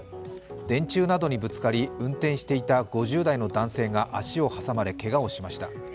電柱などにぶつり、運転していた５０代の男性が足を挟まれ、けがをしました。